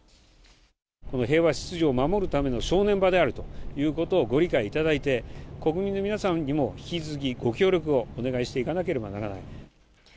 平和秩序を守るための正念場であるということをご理解いただいて、国民の皆さんにも、引き続きご協力をお願いしていかなければならない。